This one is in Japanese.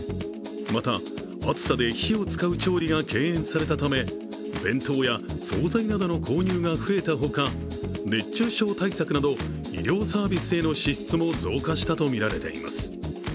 また、暑さで火を使う調理が敬遠されたため、弁当や総菜などの購入が増えたほか、熱中症対策など医療サービスへの支出も増加したとみられています。